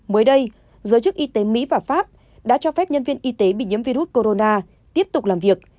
mới đây giới chức y tế mỹ và pháp đã cho phép nhân viên y tế bị nhiễm virus corona tiếp tục làm việc